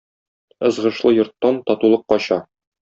Ызгышлы йорттан татулык кача.